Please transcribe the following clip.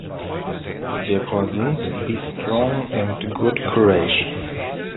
Der Chor singt „Be strong and good courage“.